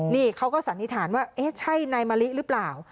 นี่เขาก็สันนิษฐานว่าเอ๊ะใช่นายมะลิหรือเปล่า